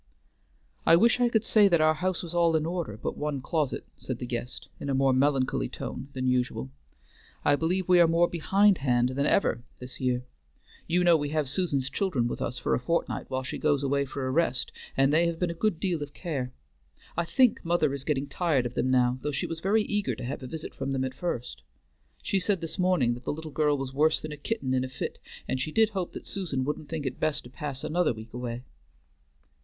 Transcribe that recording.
"I wish I could say that our house was all in order but one closet," said the guest, in a more melancholy tone than usual. "I believe we are more behind hand than ever this year. You know we have Susan's children with us for a fortnight while she goes away for a rest, and they have been a good deal of care. I think mother is getting tired of them now, though she was very eager to have a visit from them at first. She said this morning that the little girl was worse than a kitten in a fit, and she did hope that Susan wouldn't think it best to pass another week away."